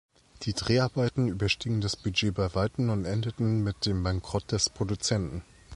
Die Dreharbeiten überstiegen das Budget bei Weitem und endeten mit dem Bankrott des Produzenten.